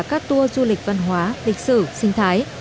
các tour du lịch văn hóa lịch sử sinh thái